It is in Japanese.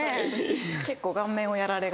結構顔面をやられがち。